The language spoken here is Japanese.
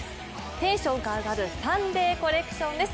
テンションが上がるサンデーコレクションです。